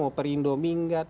mau perindo minggat